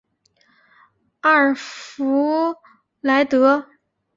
阿尔弗莱德？